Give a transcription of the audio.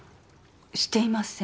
していません。